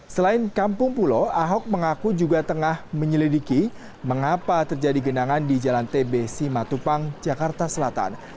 selain kampung pulo ahok mengaku juga tengah menyelidiki mengapa terjadi genangan di jalan tb simatupang jakarta selatan